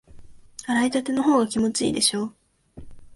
洗いたてのほうが気持ちいいでしょ？